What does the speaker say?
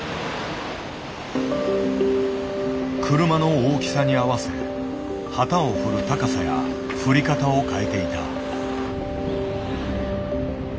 車の大きさに合わせ旗を振る高さや振り方を変えていた。